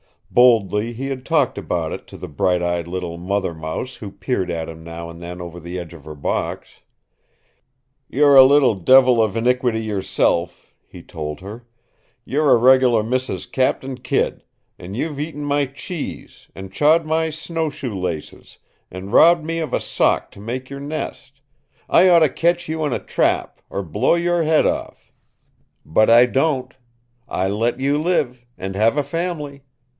Boldly he had talked about it to the bright eyed little mother mouse who peered at him now and then over the edge of her box. "You're a little devil of iniquity yourself," he told her. "You're a regular Mrs. Captain Kidd, and you've eaten my cheese, and chawed my snowshoe laces, and robbed me of a sock to make your nest. I ought to catch you in a trap, or blow your head off. But I don't. I let you live and have a fam'ly.